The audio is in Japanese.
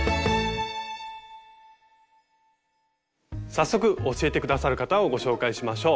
早速教えて下さる方をご紹介しましょう。